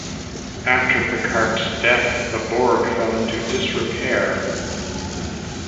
After Piccardt's death the borg fell into disrepair.